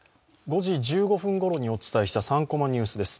５時１５分ごろにお伝えした「３コマニュース」です。